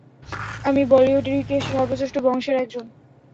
আমি বলিউডের ইতিহাসে সর্বশ্রেষ্ঠ বংশের একজন।